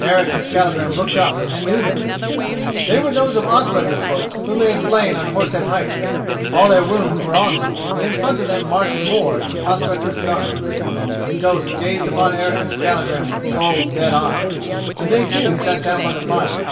Eric and Skallagrim looked up and knew them. They were those of Ospakar's folk whom they had slain on Horse Head Heights; all their wounds were on them and in front of them marched Mord, Ospakar's son. The ghosts gazed upon Eric and Skallagrim with cold dead eyes, then they too sat down by the fire.